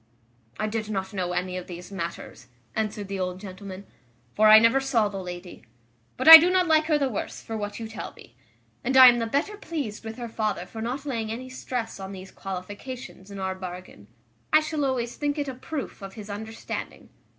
"I did not know any of these matters," answered the old gentleman, "for I never saw the lady: but I do not like her the worse for what you tell me; and I am the better pleased with her father for not laying any stress on these qualifications in our bargain. I shall always think it a proof of his understanding.